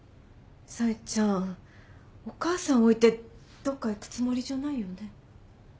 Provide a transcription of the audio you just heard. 冴ちゃんお母さん置いてどっか行くつもりじゃないよね？